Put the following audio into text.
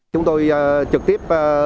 chúng tôi trực tiếp